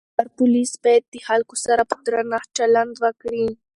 هر پولیس باید د خلکو سره په درنښت چلند وکړي.